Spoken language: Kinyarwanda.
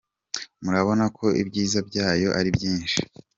Murabona ko ibyiza byayo ari byinshi.